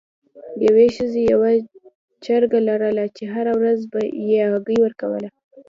یوې ښځې یوه چرګه لرله چې هره ورځ یې هګۍ ورکوله.